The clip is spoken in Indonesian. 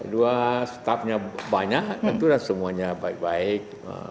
dua staffnya banyak tentu semuanya baik baik